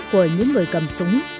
của những người cầm súng